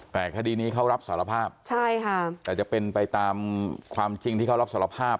แต่คดีนี้เขารับสารภาพใช่ค่ะแต่จะเป็นไปตามความจริงที่เขารับสารภาพ